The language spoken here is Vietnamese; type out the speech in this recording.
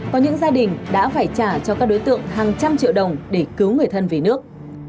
có những gia đình đã phải trả cho các đối tượng hàng trăm triệu đồng để cứu người thân về nước